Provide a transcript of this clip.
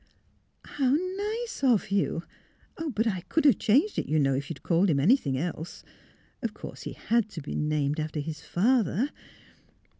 '' How nice of you !... But I could have changed it, you know, if you'd called him any thing else. Of course he had to be named after his father."